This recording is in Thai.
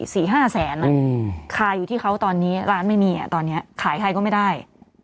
สี่ห้าแสนอ่ะอืมคาอยู่ที่เขาตอนนี้ร้านไม่มีอ่ะตอนเนี้ยขายใครก็ไม่ได้